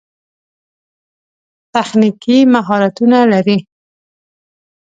تخنیکي مهارتونه لري.